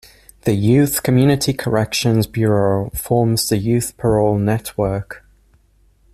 The Youth Community Corrections Bureau forms the youth parole network.